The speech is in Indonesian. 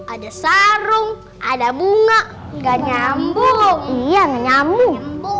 ada sarung ada bunga nggak nyambung iya nyambung